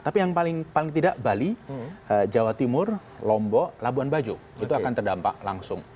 tapi yang paling tidak bali jawa timur lombok labuan bajo itu akan terdampak langsung